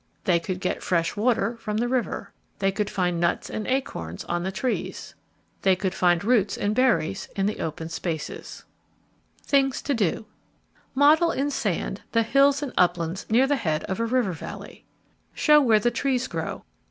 They could get fresh water from the river. They could find nuts and acorns on the trees. They could find roots and berries in the open spaces. [Illustration: Wild roots were used for food] THINGS TO DO Model in sand the hills and uplands near the head of a river valley. _Show where the trees grow.